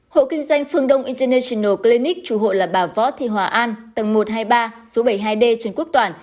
hộ kinh doanh phương đông international cleanic chủ hộ là bà võ thị hòa an tầng một trăm hai mươi ba số bảy mươi hai d trần quốc toàn